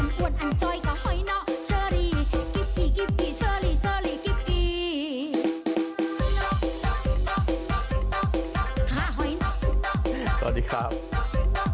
สวัสดีครับ